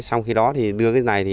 xong khi đó thì đưa cái này